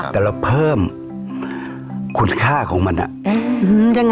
แต่เราเพิ่มคุณค่าของมัน